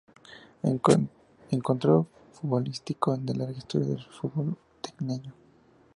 Encuentro futbolístico de larga historia en el fútbol tacneño.